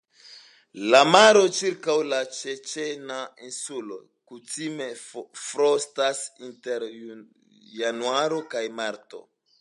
La maro ĉirkaŭ la Ĉeĉena Insulo kutime frostas inter Januaro kaj Marto.